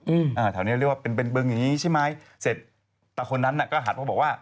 อืมอ่าแถวเนี้ยเรียกว่าเป็นเป็นบึงอย่างงี้ใช่ไหมเสร็จตาคนนั้นน่ะก็หันมาบอกว่า